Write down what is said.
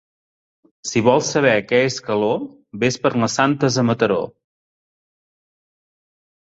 Si vols saber què és calor, ves per les Santes a Mataró.